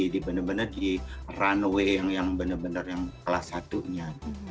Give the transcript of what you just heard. di bener bener di runway yang bener bener yang kelas satunya